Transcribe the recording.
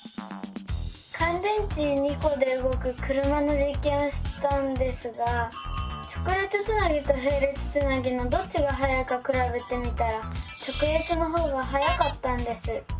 かん電池２コでうごく車のじっけんをしたんですが直列つなぎとへい列つなぎのどっちがはやいかくらべてみたら直列のほうがはやかったんです。